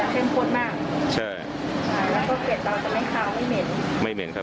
เครื่องเรื่อยในน้ำนี้นะครับ